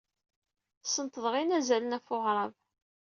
Sneṭḍeɣ inazalen ɣef weɣrab.